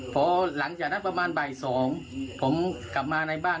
พอหลังจากนั้นประมาณบ่าย๒ผมกลับมาในบ้าน